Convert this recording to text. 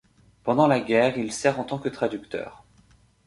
Pendant la guerre, il sert en tant que traducteur.